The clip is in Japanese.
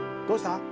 「どうした？」